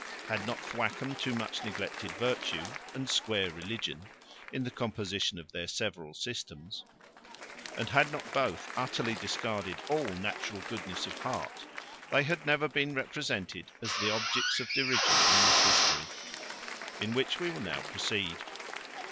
Had not Thwackum too much neglected virtue, and Square, religion, in the composition of their several systems, and had not both utterly discarded all natural goodness of heart, they had never been represented as the objects of derision in this history; in which we will now proceed.